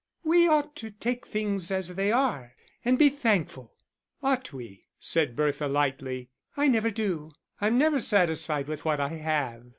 "We ought to take things as they are, and be thankful." "Ought we?" said Bertha lightly, "I never do.... I'm never satisfied with what I have."